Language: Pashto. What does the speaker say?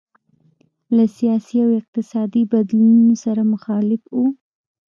له سیاسي او اقتصادي بدلونونو سره مخالف وو.